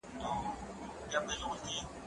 زه به د کتابتوننۍ سره خبري کړي وي؟